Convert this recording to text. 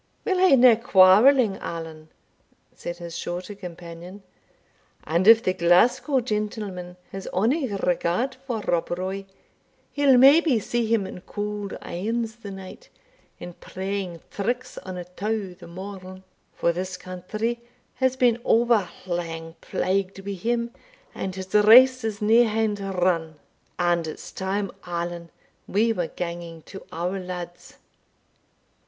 "We'll hae nae quarrelling, Allan," said his shorter companion; "and if the Glasgow gentleman has ony regard for Rob Roy, he'll maybe see him in cauld irons the night, and playing tricks on a tow the morn; for this country has been owre lang plagued wi' him, and his race is near hand run And it's time, Allan, we were ganging to our lads."